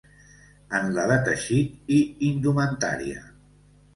En la de teixit i indumentària.